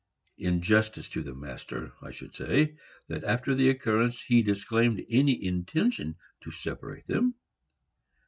In justice to the master, I should say, that after the occurrence he disclaimed any intention to separate them.